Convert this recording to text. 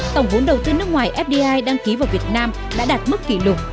tổng vốn đầu tư nước ngoài fdi đăng ký vào việt nam đã đạt mức kỷ lục